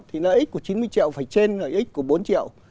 thì lợi ích của chín mươi triệu phải trên lợi ích của bốn triệu